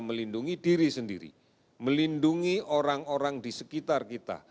melindungi diri sendiri melindungi orang orang di sekitar kita